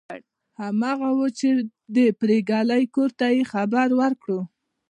هماغه وه چې د پريګلې کور ته یې خبر ورکړ